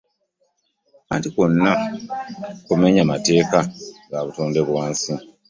Anti kwonna kumenya mateeka ga butonde bw'ensi